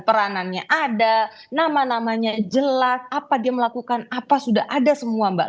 peranannya ada nama namanya jelek apa dia melakukan apa sudah ada semua mbak